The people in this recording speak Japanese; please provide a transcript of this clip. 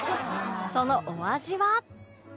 そのお味は